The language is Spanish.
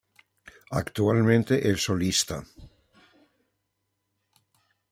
Actualmente es solista.